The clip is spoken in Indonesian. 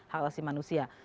hak asli manusia